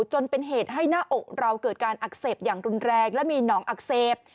จนเป็นเหตุให้หน้าอกเราเกิดการอักเสบอย่างรุนแรงและมีหนองอักเสบ